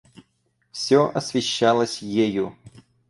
Всё освещалось ею.